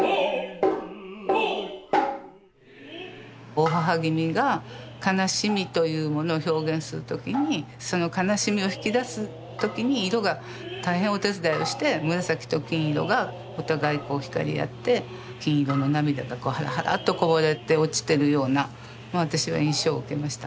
大妣君が悲しみというものを表現する時にその悲しみを引き出す時に色が大変お手伝いをして紫と金色がお互い光り合って金色の涙がはらはらとこぼれて落ちてるような私は印象を受けました。